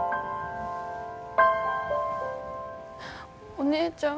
お姉ちゃん。